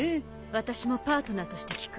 私もパートナーとして聞く。